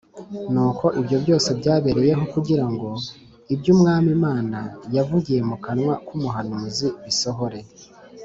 Nuko ibyo byose byabereyeho kugira ngo ibyo Umwami Imana yavugiye mu kanwa k’umuhanuzi bisohore